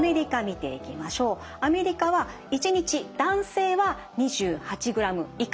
アメリカは１日男性は２８グラム以下